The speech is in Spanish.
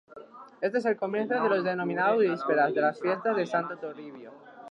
Este es el comienzo de las denominadas ""vísperas"" de las fiestas de Santo Toribio.